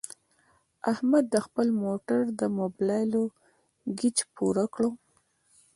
احمد د خپل موټر د مبلایلو ګېچ پوره کړ.